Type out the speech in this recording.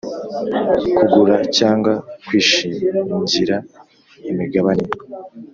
kugura cyangwa kwishingira imigabane ye.